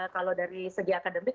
kalau dari segi akademik